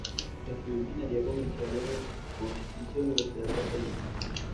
Estudió ingeniería comercial en la Pontificia Universidad Católica.